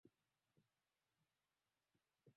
silaha hizo alizitumia chifu mkwawa kwenye vita